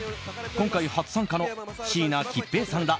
今回初参加の椎名桔平さんら